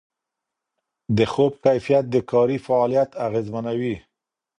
د خوب کیفیت د کاري فعالیت اغېزمنوي.